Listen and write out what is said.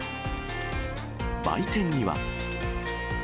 売店には。